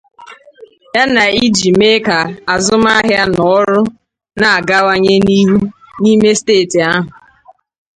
ya na iji mee ka azụmahịa na ọrụ na-agawanye n'ihu n'ime steeti ahụ